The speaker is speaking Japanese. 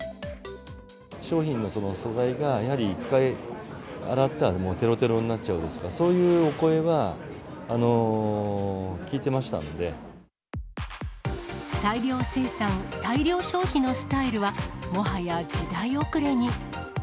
商品の素材が、やはり１回洗ったら、もうてろてろになっちゃうですとか、そういうお声は、大量生産、大量消費のスタイルは、もはや時代遅れに。